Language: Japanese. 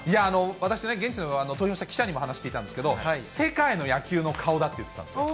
私ね、現地の投票した記者にも話聞いたんですけど、世界の野球の顔だって言ってたんですよ。